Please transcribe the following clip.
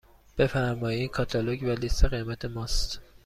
بفرمایید این کاتالوگ و لیست قیمت ماست.